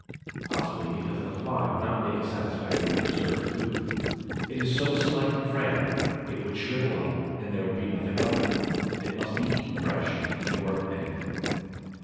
Possibly because the Fly would not make a satisfactory preserved food; it is so slight and frail, it would shrivel up and there would be nothing of it; it must be eaten fresh to be worth anything.